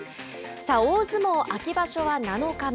大相撲秋場所は７日目。